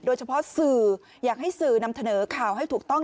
สื่ออยากให้สื่อนำเสนอข่าวให้ถูกต้อง